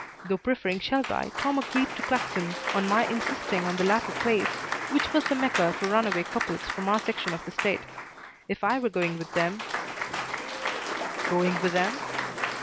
Though preferring Shelby, Tom agreed to Claxon on my insisting on the latter place, which was the Mecca for runaway couples from our section of the state. If I were going with them "Going with them?"